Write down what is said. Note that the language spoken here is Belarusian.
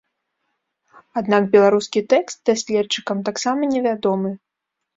Аднак беларускі тэкст даследчыкам таксама невядомы.